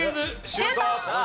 シュート！